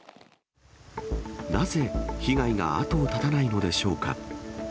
なぜ被害が後を絶たないのでしょうか。